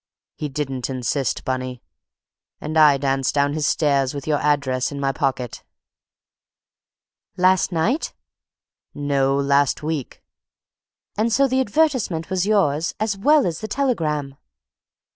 He didn't insist, Bunny, and I danced down his stairs with your address in my pocket." "Last night?" "No, last week." "And so the advertisement was yours, as well as the telegram!"